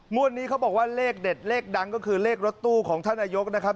วันนี้เขาบอกว่าเลขเด็ดเลขดังก็คือเลขรถตู้ของท่านนายกนะครับ